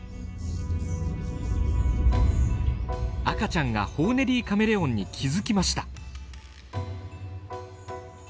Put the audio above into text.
赤ちゃんがホーネリーカメレオンに気づきました。